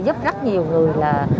giúp rất nhiều người là